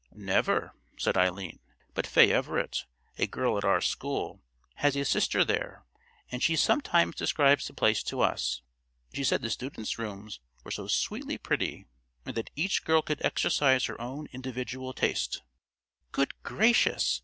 "Never," said Eileen; "but Fay Everett, a girl at our school, has a sister there, and she sometimes describes the place to us. She said the students' rooms were so sweetly pretty, and that each girl could exercise her own individual taste." "Good gracious!